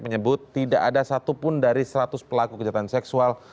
menyebut tidak ada satupun dari seratus pelaku kejahatan seksual